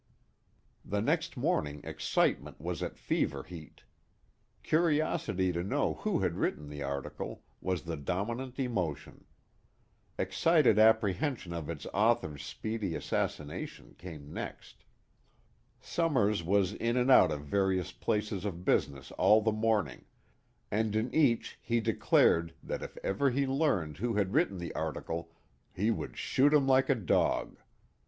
The next morning excitement was at fever heat. Curiosity to know who had written the article, was the dominant emotion. Excited apprehension of its author's speedy assassination came next. Summers was in and out of various places of business all the morning, and in each he declared that if ever he learned who had written the article, he would "shoot him like a dog."